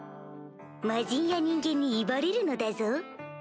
魔人や人間に威張れるのだぞ？